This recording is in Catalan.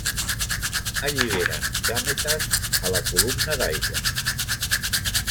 Alliberen gàmetes a la columna d'aigua.